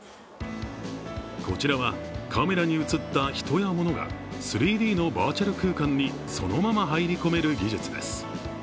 こちらはカメラに映った人や物が３Ｄのバーチャル空間にそのまま入り込める技術です。